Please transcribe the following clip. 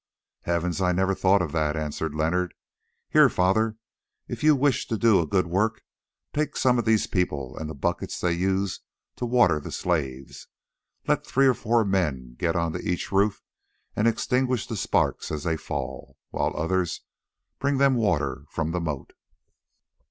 "Heavens! I never thought of that," answered Leonard. "Here, Father, if you wish to do a good work, take some of these people and the buckets they use to water the slaves. Let three or four men get on to each roof and extinguish the sparks as they fall, while others bring them water from the moat."